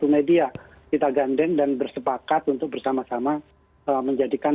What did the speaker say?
delapan ratus sembilan puluh satu media kita gandeng dan bersepakat untuk bersama sama menjadikan